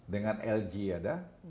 dengan lg ada